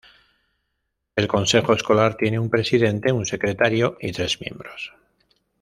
El consejo escolar tiene un presidente, un secretario, y tres miembros.